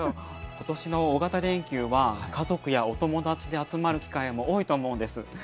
今年の大型連休は家族やお友達で集まる機会も多いと思うんです。